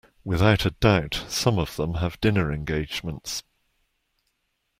Without a doubt, some of them have dinner engagements.